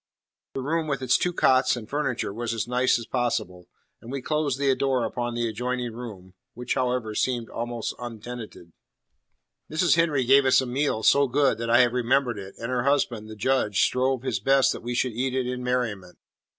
The room with its two cots and furniture was as nice as possible; and we closed the door upon the adjoining room, which, however, seemed also untenanted. Mrs. Henry gave us a meal so good that I have remembered it, and her husband, the Judge, strove his best that we should eat it in merriment.